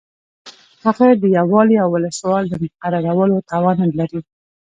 هغه د یو والي او ولسوال د مقررولو توان نه لري.